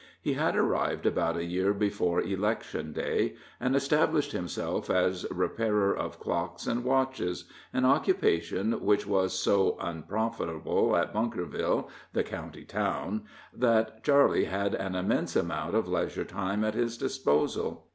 He had arrived about a year before election day, and established himself as repairer of clocks and watches an occupation which was so unprofitable at Bunkerville, the county town, that Charley had an immense amount of leisure time at his disposal.